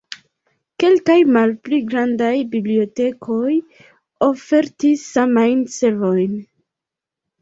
Kelkaj malpli grandaj bibliotekoj ofertis samajn servojn.